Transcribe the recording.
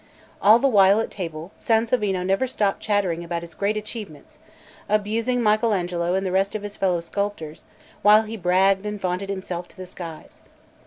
All the while at table Sansovino had never stopped chattering about his great achievements, abusing Michel Agnolo and the rest of his fellow sculptors, while he bragged and vaunted himself to the skies.